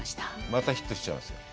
またヒットしちゃいますね。